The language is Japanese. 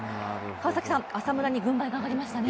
川崎さん、浅村に軍配が上がりましたね。